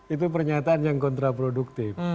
itu pernyataan yang kontraproduktif